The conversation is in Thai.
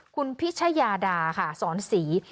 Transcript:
คุณพิชยาดาค่ะสอนศรี